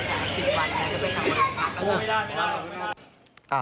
ไม่ได้ไม่ได้